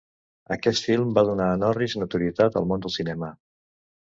Aquest film va donar a Norris notorietat al món del cinema.